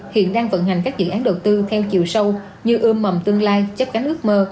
hiện đang vận hành các dự án đầu tư theo chiều sâu như ươm mầm tương lai chấp cánh ước mơ